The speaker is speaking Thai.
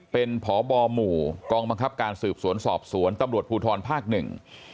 เป็นพบหมู่กองบังคับการสืบสวนสอบสวนตำรวจภูทรภาคหนึ่ง